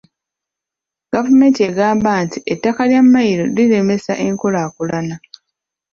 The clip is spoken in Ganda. Gavumenti egamba nti ettaka lya mmayiro liremesa enkulaakulana.